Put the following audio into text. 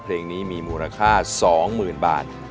เพลงนี้มีมูลค่าสองหมื่นบาท